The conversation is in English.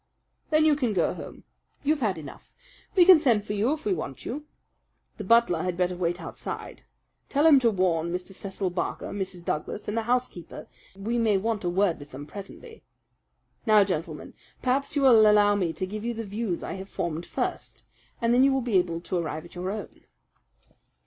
"Then you can go home. You've had enough. We can send for you if we want you. The butler had better wait outside. Tell him to warn Mr. Cecil Barker, Mrs. Douglas, and the housekeeper that we may want a word with them presently. Now, gentlemen, perhaps you will allow me to give you the views I have formed first, and then you will be able to arrive at your own."